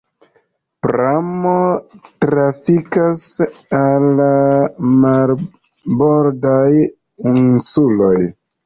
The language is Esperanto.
Pramo trafikas al la marbordaj insuloj.